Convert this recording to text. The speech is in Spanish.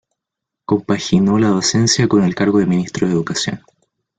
Compaginó la docencia con el cargo de Ministro de Educación.